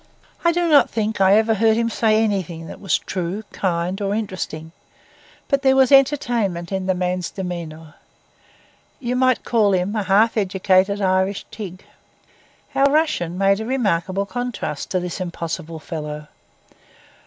I do not think I ever heard him say anything that was true, kind, or interesting; but there was entertainment in the man's demeanour. You might call him a half educated Irish Tigg. Our Russian made a remarkable contrast to this impossible fellow.